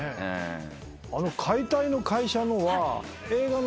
解体の会社のは。